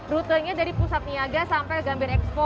rutenya dari pusat niaga sampai gambir expo